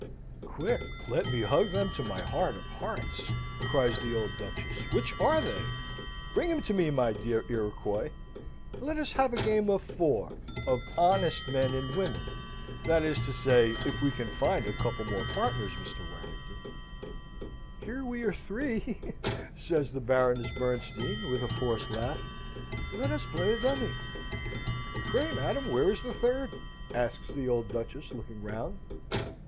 "Quick, let me hug them to my heart of hearts!" cries the old Duchess. "Which are they? Bring 'em to me, my dear Iroquois! Let us have a game of four of honest men and women; that is to say, if we can find a couple more partners, Mr. Warrington!" "Here are we three," says the Baroness Bernstein, with a forced laugh; "let us play a dummy." "Pray, madam, where is the third?" asks the old Duchess, looking round.